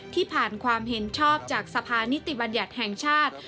ผ่านความเห็นชอบจากสภานิติบัญญัติแห่งชาติ